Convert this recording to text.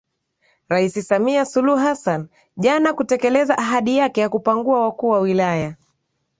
Rais Samia Suluhu Hassan jana kutekeleza ahadi yake ya kupangua wakuu wa wilaya